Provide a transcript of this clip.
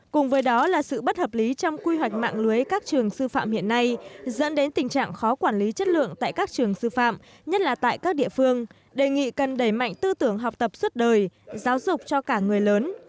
cùng với đó là sự bất hợp lý trong quy hoạch mạng lưới các trường sư phạm hiện nay dẫn đến tình trạng khó quản lý chất lượng tại các trường sư phạm nhất là tại các địa phương đề nghị cần đẩy mạnh tư tưởng học tập suốt đời giáo dục cho cả người lớn